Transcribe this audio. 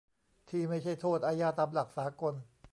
ที่ไม่ใช่โทษอาญาตามหลักสากล